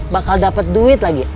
bakal dapet duit lagi